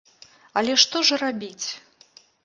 Але ж што рабіць?